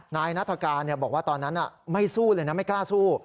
นายนัฐกาลบอกว่าตอนนั้นไม่สู้เลยนะไม่กล้าสู้